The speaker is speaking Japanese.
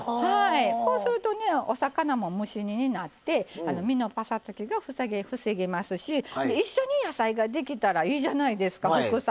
こうするとお魚も蒸し煮になって身のぱさつきが防げますし一緒に野菜ができたらいいじゃないですか、副菜。